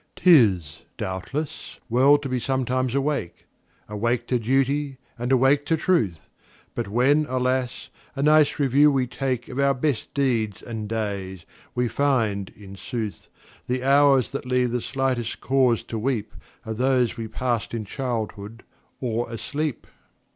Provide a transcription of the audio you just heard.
'T is, doubtless, well to be sometimes awake,—Awake to duty, and awake to truth,—But when, alas! a nice review we takeOf our best deeds and days, we find, in sooth, The hours that leave the slightest cause to weepAre those we passed in childhood or asleep!